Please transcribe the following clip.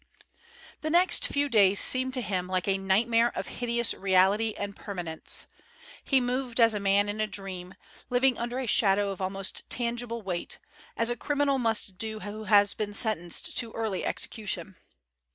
The next few days seemed to him like a nightmare of hideous reality and permanence. He moved as a man in a dream, living under a shadow of almost tangible weight, as a criminal must do who has been sentenced to early execution.